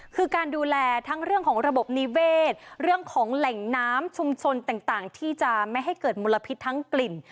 คือการดูแลทั้งเรื่องของระบบนิเวศเรื่องของแหล่งน้ำชุมชนต่างที่จะไม่ให้เกิดมลพิษทั้งกลิ่น